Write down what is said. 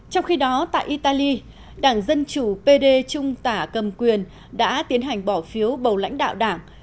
trong khi đó tại italy đảng dân chủ pd trung tả cầm quyền đã tiến hành bỏ phiếu bầu lãnh đạo đảng